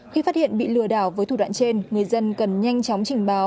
khi phát hiện bị lừa đảo với thủ đoạn trên người dân cần nhanh chóng trình báo